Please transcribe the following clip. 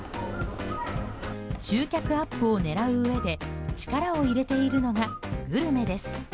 集客アップを狙ううえで力を入れているのがグルメです。